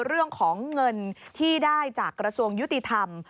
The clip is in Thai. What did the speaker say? เรื่องของเงินที่ได้จากกระทรวงยุติธรรม